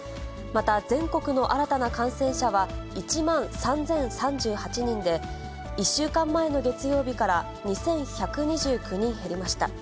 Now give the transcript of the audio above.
また全国の新たな感染者は１万３０３８人で、１週間前の月曜日から２１２９人減りました。